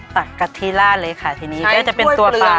กะทิราดเลยค่ะทีนี้ก็จะเป็นตัวปลา